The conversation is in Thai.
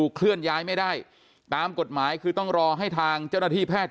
เคลื่อนย้ายไม่ได้ตามกฎหมายคือต้องรอให้ทางเจ้าหน้าที่แพทย์